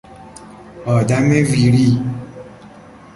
آدم ویری